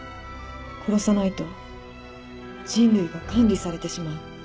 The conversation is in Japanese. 殺さないと人類が管理されてしまう。